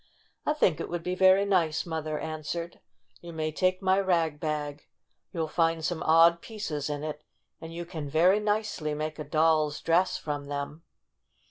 "I think it would be very nice," Mother answered. "You may take my rag bag. You'll find some odd pieces in it and you can, very nicely, make a doll's dress from them."